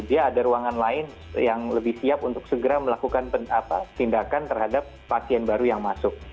dia ada ruangan lain yang lebih siap untuk segera melakukan tindakan terhadap pasien baru yang masuk